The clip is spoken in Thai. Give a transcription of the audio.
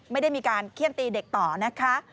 ไม่ได้มีการเขี้ยนตีเด็กต่อนะคะ